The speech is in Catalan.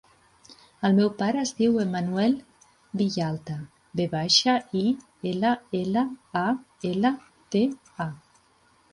El meu pare es diu Emanuel Villalta: ve baixa, i, ela, ela, a, ela, te, a.